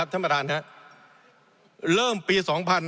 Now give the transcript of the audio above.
เริ่มปี๒๕๕๙